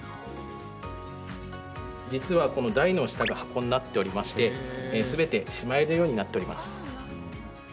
実は、この台の下が箱になっておりましてすべてしまえるようになっております。